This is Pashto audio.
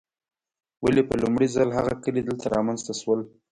ولې په لومړي ځل هغه کلي دلته رامنځته شول.